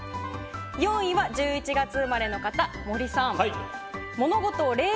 ４位は１１月生まれの方、森さん。